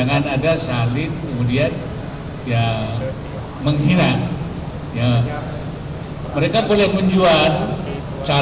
untuk tidak melakukan hal hal yang berbeda